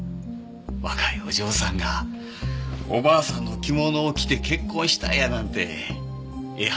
若いお嬢さんがおばあさんの着物を着て結婚したいやなんてええ